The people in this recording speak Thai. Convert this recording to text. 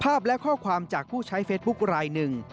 และข้อความจากผู้ใช้เฟซบุ๊คลายหนึ่ง